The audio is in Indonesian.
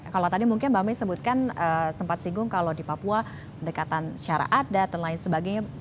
kalau tadi mungkin mbak mi sebutkan sempat singgung kalau di papua pendekatan syarat adat dan lain sebagainya